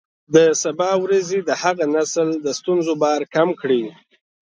د سبا ورځې د هغه نسل د ستونزو بار کم کړئ.